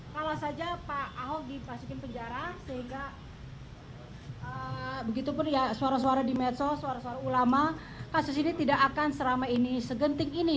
kalau saja pak ahok dimasukin penjara sehingga begitupun ya suara suara di medsos suara suara ulama kasus ini tidak akan seramai ini segenting ini